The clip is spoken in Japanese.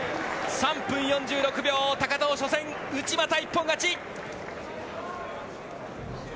３分４６秒、高藤内股、一本勝ち！